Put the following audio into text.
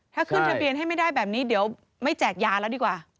ถ้าขึ้นทะเบียนให้ไม่ได้แบบนี้เดี๋ยวไม่แจกยาแล้วดีกว่า